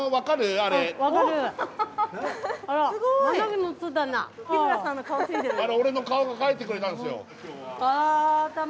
あれ俺の顔が描いてくれたんですよ。